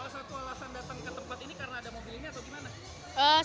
salah satu alasan datang ke tempat ini karena ada mobil ini atau gimana